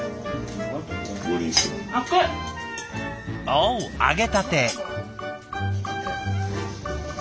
おお揚げたて。